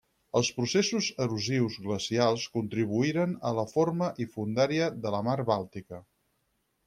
Els processos erosius glacials contribuïren a la forma i fondària de la Mar Bàltica.